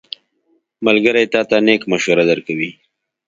ملګری تا ته نېک مشورې درکوي.